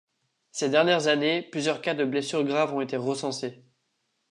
Ces dernières années, plusieurs cas de blessure grave ont été recensés.